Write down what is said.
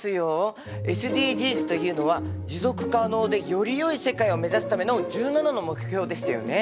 ＳＤＧｓというのは持続可能でよりよい世界を目指すための１７の目標でしたよね。